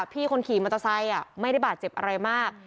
พี่คนขี่มอเตอร์ไซค์ไม่ได้บาดเจ็บอะไรมาก